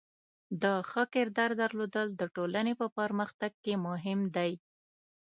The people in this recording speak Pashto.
د ښه کردار درلودل د ټولنې په پرمختګ کې مهم دی.